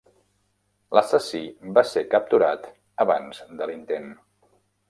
L'assassí va ser capturat abans de l'intent.